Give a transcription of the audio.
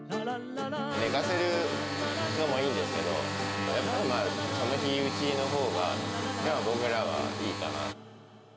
寝かせるのもいいんですけど、やっぱりまあ、その日打ちのほうが、僕らはいいかな。